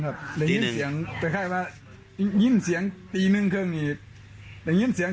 ครับปีหนึ่งเฉพาะยินเสียงปีหนึ่งเครื่องนี่ยินเสียง